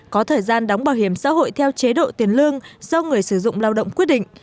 có thời gian đóng bảo hiểm xã hội theo chế độ tiền lương do người sử dụng lao động quyết định